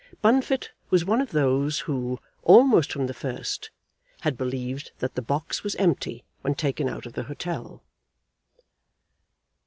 Bunfit was one of those who, almost from the first, had believed that the box was empty when taken out of the hotel.